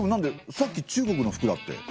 さっき中国の服だって。